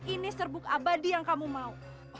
ini serbuk abadi yang kamu mau